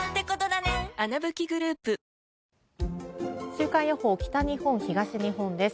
週間予報、北日本、東日本です。